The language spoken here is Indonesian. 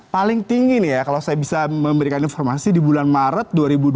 paling tinggi nih ya kalau saya bisa memberikan informasi di bulan maret dua ribu dua puluh